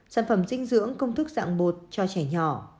sản phẩm dinh dưỡng công thức dạng bột cho trẻ nhỏ